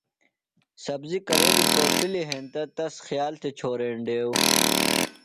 سبزیۡ کرے بیۡ ݜوݜِلیۡ ہینتہ تس خیال تھےۡ چھورینڈیوۡ۔